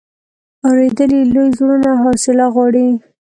اورېدل یې لوی زړونه او حوصله غواړي.